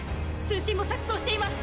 通信も錯綜しています！